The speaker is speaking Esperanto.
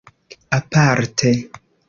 aparte